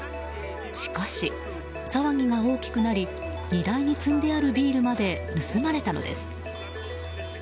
しかし、騒ぎが大きくなり荷台に積んであるビールまで盗まれたのです。